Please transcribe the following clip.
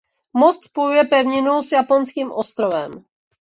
Most spojuje pevninu s japonským ostrovem.